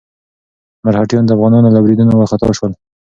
مرهټیان د افغانانو له بريدونو وارخطا شول.